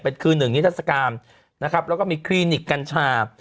เป็นคืนหนึ่งนิทรรศกรรมแล้วก็มีคลีนิกกัญชา